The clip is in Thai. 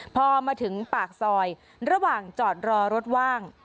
พอมาถึงปากซอยระหว่างจอดรอรถว่าง